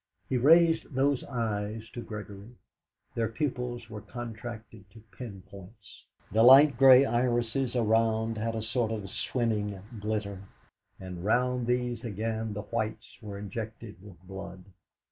He raised those eyes to Gregory. Their pupils were contracted to pin points, the light grey irises around had a sort of swimming glitter, and round these again the whites were injected with blood.